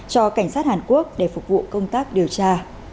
cho cảnh sát hàn quốc để phục vụ công tác điều tra